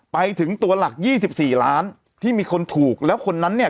ไปถึงตัวหลัก๒๔ล้านที่มีคนถูกแล้วคนนั้นเนี่ย